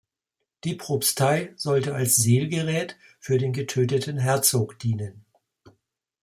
Die Propstei sollte als Seelgerät für den getöteten Herzog dienen.